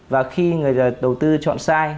và khi người đầu tư chọn sai